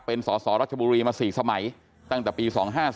เป็นสสรัชบุรีมา๔สมัยตั้งแต่ปี๒๕๔